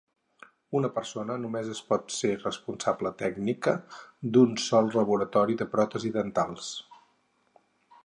Una persona només es pot ser responsable tècnica d'un sol laboratori de pròtesis dentals.